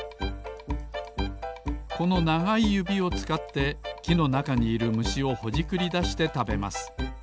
このながいゆびをつかってきのなかにいるむしをほじくりだしてたべます